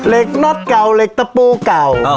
น็อตเก่าเหล็กตะปูเก่า